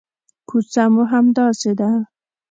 کوڅه مو همداسې ده.